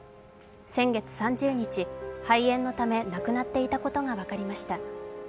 先月３０日、肺炎のため亡くなっていたことが分かりました。